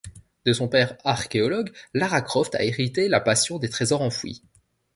De son père archéologue, Lara Croft a hérité la passion des trésors enfouis.